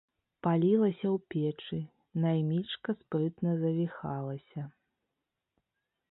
Палілася ў печы, наймічка спрытна завіхалася.